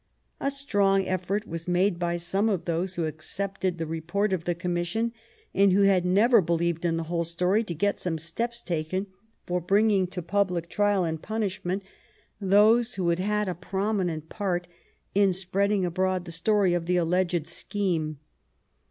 A strong effort was made by some of those who accepted the report of the commission, and who had never believed in the whole story, to get some steps taken for bringing to public trial and punishment those who had had a prominent part in spreading abroad the story of the alleged scheme.